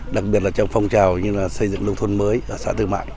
đặc biệt là trong phong trào xây dựng nông thôn mới ở xã tư mãi